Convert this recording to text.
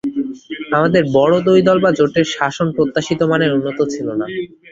আমাদের বড় দুই দল বা জোটের শাসন প্রত্যাশিত মানের উন্নত ছিল না।